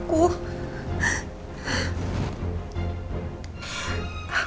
kamu harus cerita sama mama